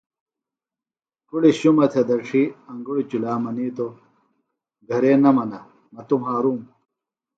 کُڑیۡ شُمہ تھےۡ دڇھیۡ انگُڑیۡ چُلا منیتوۡ گھرے نہ منہ مہ توۡ مھارُوم